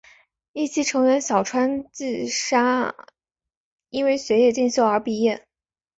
一期成员小川纱季因为学业进修而毕业。